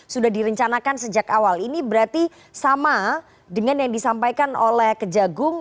sudah direncanakan sejak awal ini berarti sama dengan yang disampaikan oleh kejagung